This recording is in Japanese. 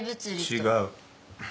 違う。